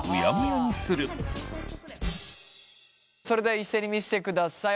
それでは一斉に見してください